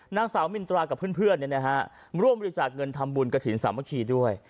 นางสาวมินตรากับเพื่อนร่วมบริจาคเงินทำบุญกระถิ่นสามัคคีด้วย